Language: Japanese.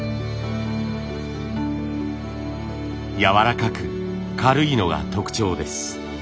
やわらかく軽いのが特徴です。